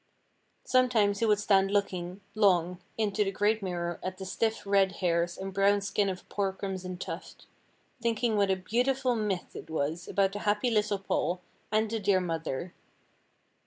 Sometimes he would stand looking long into the great mirror, at the stiff, red hairs and brown skin of poor Crimson Tuft, thinking what a beautiful myth it was, about the happy little Paul, and the dear mother.